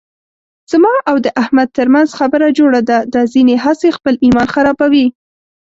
زما او د احمد ترمنځ خبره جوړه ده، دا ځنې هسې خپل ایمان خرابوي.